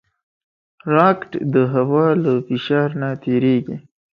راکټ د هوا له فشار نه تېریږي